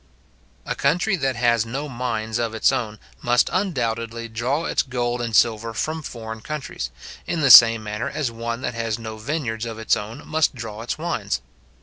A country that has no mines of its own, must undoubtedly draw its gold and silver from foreign countries, in the same manner as one that has no vineyards of its own must draw its wines.